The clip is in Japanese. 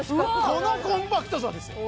このコンパクトさですよ